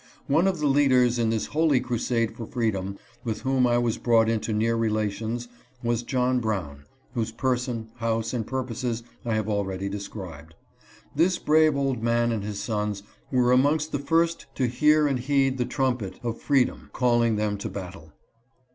One of the leaders in this holy crusade for freedom, with whom I was brought into near relations, was John Brown, whose person, house, and purposes I have already described. This brave old man and his sons were amongst the first to hear and heed the trumpet of freedom calling them to battle.